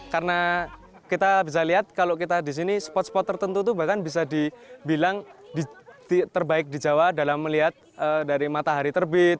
karena kita bisa lihat kalau kita di sini spot spot tertentu itu bahkan bisa dibilang terbaik di jawa dalam melihat dari matahari terbit